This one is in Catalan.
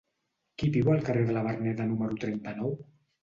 Qui viu al carrer de la Verneda número trenta-nou?